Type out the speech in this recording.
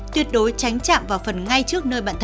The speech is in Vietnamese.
tuyệt đối tránh chạm vào phần ngay trước nơi bạn thân